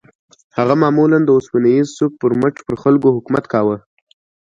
هغه معمولاً د اوسپنيز سوک پر مټ پر خلکو حکومت کاوه.